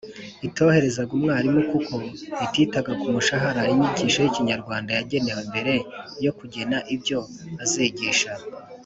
itoroherezaga umwarimu kuko ititaga ku masaha inyigisho y’ikinyarwanda yagenewe mbere yo kugena ibyo azigisha.